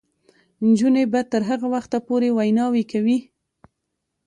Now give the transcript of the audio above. نجونې به تر هغه وخته پورې ویناوې کوي.